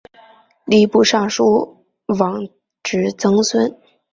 吏部尚书王直曾孙。